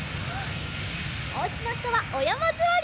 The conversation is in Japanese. おうちのひとはおやまずわりをします。